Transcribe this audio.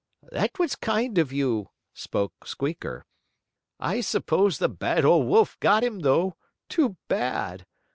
"That was kind of you," spoke Squeaker. "I suppose the bad old wolf got him, though. Too bad!